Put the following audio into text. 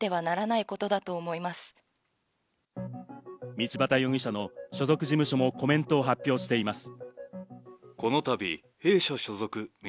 道端容疑者の所属事務所もコメントを発表しています。